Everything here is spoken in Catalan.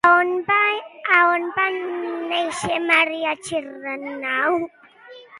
A on va néixer Maria Xirau?